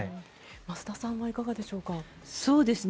増田さんはいかがでしょうか？